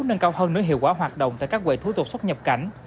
nâng cao hơn nội hiệu quả hoạt động tại các quầy thủ tục xuất nhập cảnh